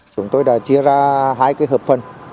chúng tôi đã chia ra hai hợp phần